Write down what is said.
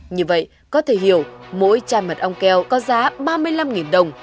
như vậy có thể hiểu mỗi chai mật ong keo có giá ba mươi năm đồng